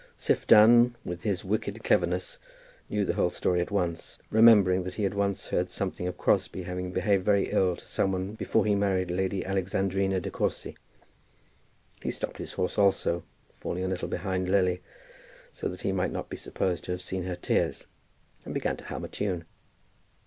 Siph Dunn, with his wicked cleverness, knew the whole story at once, remembering that he had once heard something of Crosbie having behaved very ill to some one before he married Lady Alexandrina De Courcy. He stopped his horse also, falling a little behind Lily, so that he might not be supposed to have seen her tears, and began to hum a tune.